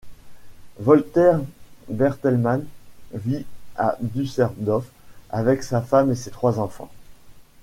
Volker Bertelmann vit à Düsseldorf avec sa femme et ses trois enfants.